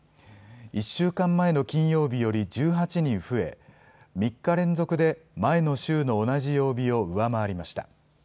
１週間前の金曜日より１８人増え、３日連続で、前の週の同じ曜日を上回りました。